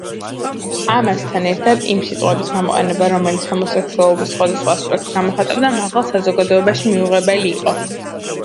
ამასთან ერთად, იმ სიტყვების გამოყენება, რომელიც ჰომოსექსუალობის სხვადასხვა ასპექტს გამოხატავდა, მაღალ საზოგადოებაში მიუღებელი იყო.